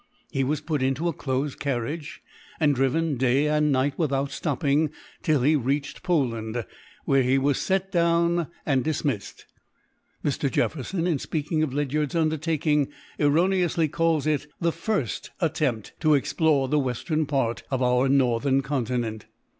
He was put into a close carriage, and driven day and night, without stopping, till he reached Poland, where he was set down and dismissed. Mr. Jefferson, in speaking of Ledyard's undertaking, erroneously calls it "the first attempt to explore the western part of our northern continent."